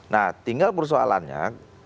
nah tinggal persoalannya